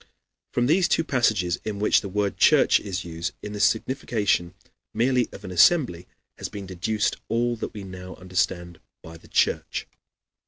From these two passages in which the word church is used, in the signification merely of an assembly, has been deduced all that we now understand by the Church.